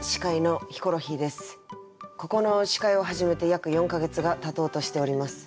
ここの司会を始めて約４か月がたとうとしております。